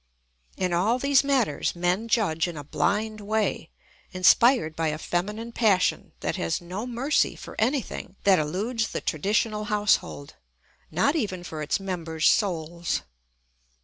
In all these matters men judge in a blind way, inspired by a feminine passion that has no mercy for anything that eludes the traditional household, not even for its members' souls.